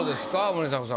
森迫さん。